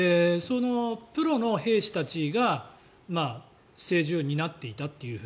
プロの兵士たちが政治を担っていたと。